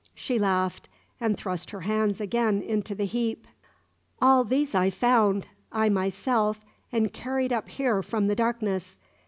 She laughed and thrust her hands again into the heap. "All these I found I myself and carried up here from the darkness.